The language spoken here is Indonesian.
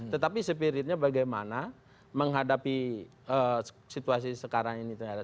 tetapi spiritnya bagaimana menghadapi situasi sekarang ini